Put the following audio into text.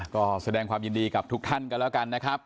ก็แสดงความยินดีกับทุกท่านกันแล้วกันนะครับ